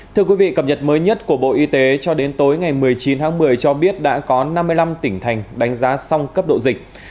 thưa quý vị cập nhật mới nhất của bộ y tế cho đến tối ngày một mươi chín tháng một mươi cho biết đã có năm mươi năm tỉnh thành đánh giá xong cấp độ dịch